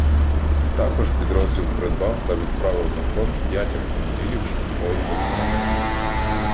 Також підрозділ придбав та відправив на фронт п'ять автомобілів швидкої допомоги.